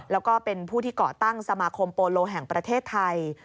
แล้วก็เป็นผู้ที่ก่อตั้งสมาคมโปโลแห่งประเทศไทย